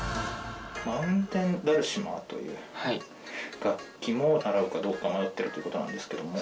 マウンテンダルシマーという楽器も習うかどうか迷ってるっていう事なんですけども。